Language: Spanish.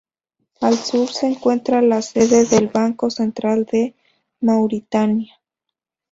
Al sur se encuentra la sede del Banco Central de Mauritania.